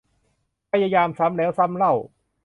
พยายามซ้ำแล้วซ้ำเล่า